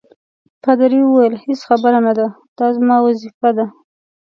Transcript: پادري وویل: هیڅ خبره نه ده، دا زما وظیفه ده.